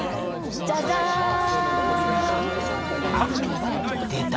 じゃじゃん！あっ出た！